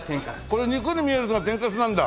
これ肉に見えるやつが天かすなんだ！